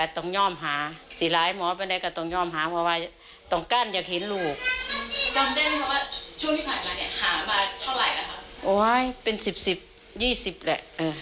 ต้องเดินทางไปที่ไกลไม่เหนื่อยปะ